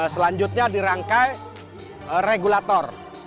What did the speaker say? selanjutnya dirangkai regulator